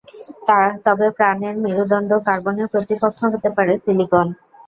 তবে প্রাণের মেরুদন্ড কার্বনের প্রতিপক্ষ হতে পারে সিলিকন।